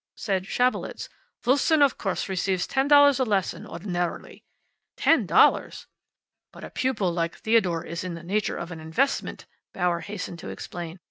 Said Schabelitz, "Wolfsohn, of course, receives ten dollars a lesson ordinarily." "Ten dollars!" "But a pupil like Theodore is in the nature of an investment," Bauer hastened to explain.